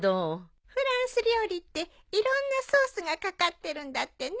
フランス料理っていろんなソースが掛かってるんだってね。